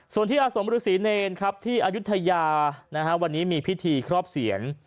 ส่วนที่อาสมฤษีเนรครับที่อายุทยาวันนี้มีพิธีครอบเสียน